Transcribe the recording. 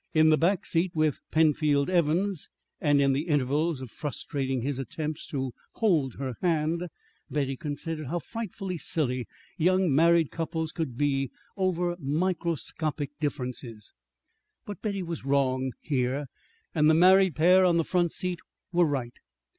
In the back seat with Penfield Evans, and in the intervals of frustrating his attempts to hold her hand, Betty considered how frightfully silly young married couples could be over microscopic differences. But Betty was wrong here and the married pair on the front seat were right.